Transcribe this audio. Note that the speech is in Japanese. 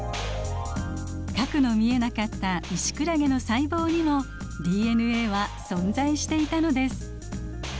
核の見えなかったイシクラゲの細胞にもＤＮＡは存在していたのです。